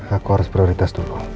aku harus prioritas dulu